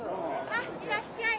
あっいらっしゃい。